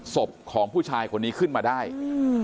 ศพของผู้ชายคนนี้ขึ้นมาได้อืม